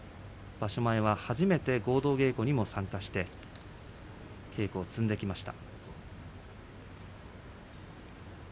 場所前は初めて合同稽古にも参加して稽古を積んできました。